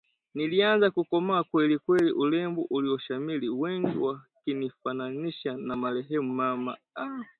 Nilianza kukomaa kweli kweli urembo ulioshamiri, wengi wakinifananisha na marehemu mama